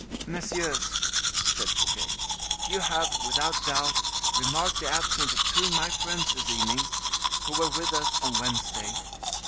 "Messieurs," said Fouquet, "you have, without doubt, remarked the absence of two of my friends this evening, who were with us on Wednesday.